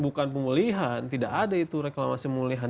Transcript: bukan pemulihan tidak ada itu reklamasi pemulihan